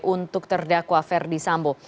untuk terdakwa verdi sambo